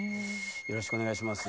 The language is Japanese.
よろしくお願いします。